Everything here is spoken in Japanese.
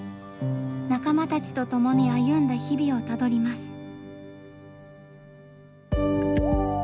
仲間たちと共に歩んだ日々をたどります。